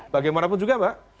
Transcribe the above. bagaimanapun juga mbak